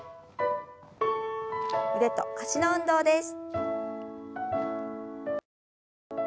腕と脚の運動です。